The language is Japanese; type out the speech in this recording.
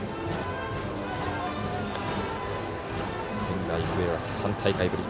仙台育英は３大会ぶり。